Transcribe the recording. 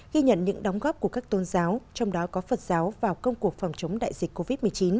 ghi nhận những đóng góp của các tôn giáo trong đó có phật giáo vào công cuộc phòng chống đại dịch covid một mươi chín